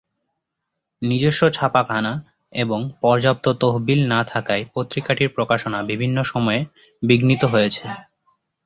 নিজস্ব ছাপাখানা এবং পর্যাপ্ত তহবিল না থাকায় পত্রিকাটির প্রকাশনা বিভিন্ন সময়ে বিঘ্নিত হয়েছে।